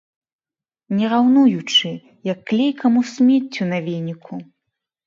Не раўнуючы, як клейкаму смеццю на веніку.